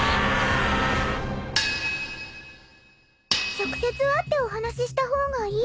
「直接会ってお話しした方がいいかと」